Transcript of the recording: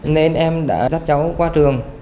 nên em đã dắt cháu qua trường